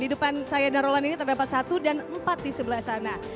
di depan saya darolan ini terdapat satu dan empat di sebelah sana